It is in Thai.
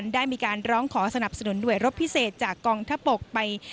ได้มีการร้องขอสนับสนุนหน่วยรบพิเศษจากกองทัพบกไป